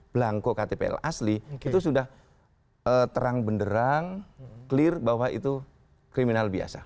belangko ktpl asli itu sudah terang benderang clear bahwa itu kriminal biasa